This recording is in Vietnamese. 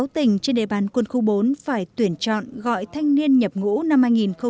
sáu tỉnh trên đề bàn quân khu bốn phải tuyển chọn gọi thanh niên nhập ngũ năm hai nghìn một mươi chín